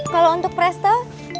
kalau untuk presto